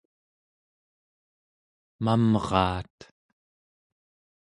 mamraat